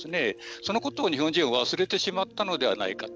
そのことを日本人は忘れてしまったのではないかと。